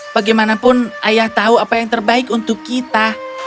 bagaimanapun ayah tahu apa yang terbaik untuk kita